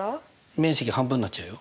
面積半分になっちゃうよ。